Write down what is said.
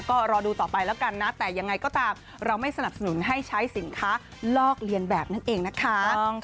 ก็รอดูต่อไปแล้วกันนะแต่ยังไงก็ตามเราไม่สนับสนุนให้ใช้สินค้าลอกเลียนแบบนั่นเองนะคะ